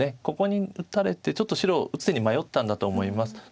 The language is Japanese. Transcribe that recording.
ここに打たれてちょっと白打つ手に迷ったんだと思います。